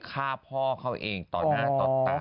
ฆ่าพ่อเขาเองต่อหน้าต่อตา